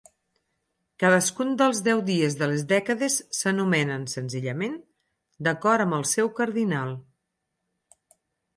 Cadascun dels deu dies de les dècades s'anomenen, senzillament, d'acord amb el seu cardinal.